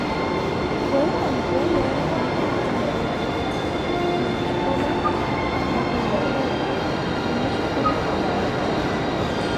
Weeyo ondjuwa yoori nti opu niriiyo khuna shicola, na khuna maluuju, nne shiripitaali.